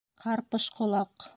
Ҡарпыш ҡолаҡ!